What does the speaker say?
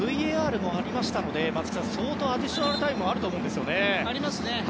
ＶＡＲもありましたので相当、アディショナルタイムはあると思いますよね。